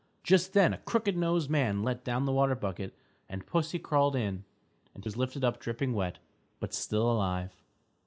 Just then a crooked nosed man let down the water bucket and pussy crawled in and was lifted up dripping wet, but still alive.